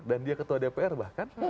dan dia ketua dpr bahkan